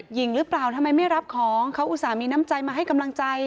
หญิงหรือเปล่าทำไมไม่รับของเขาอุตส่าห์มีน้ำใจมาให้กำลังใจ